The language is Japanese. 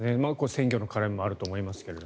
選挙の絡みもあると思いますけど。